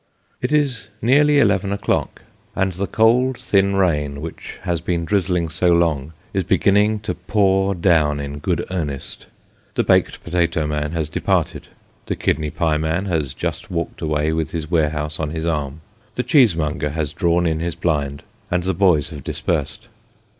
It is nearly eleven o'clock, and the cold thin rain which has been drizzling so long, is beginning to pour down in good earnest; the baked potato man has departed the kidney pie man has just walked away with his warehouse on his arm the cheesemonger has drawn in his blind, and the boys have dispersed.